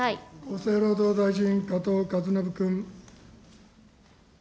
厚生労働大臣、加藤勝信君。